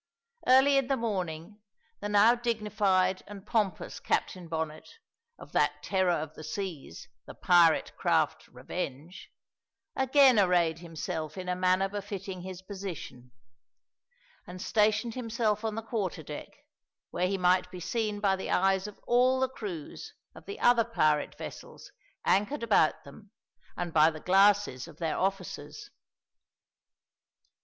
Early in the morning the now dignified and pompous Captain Bonnet, of that terror of the seas, the pirate craft Revenge, again arrayed himself in a manner befitting his position, and stationed himself on the quarter deck, where he might be seen by the eyes of all the crews of the other pirate vessels anchored about them and by the glasses of their officers.